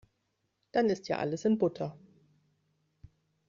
Dann ist ja alles in Butter.